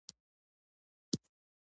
پاڼې د وخت په څېر ورکېږي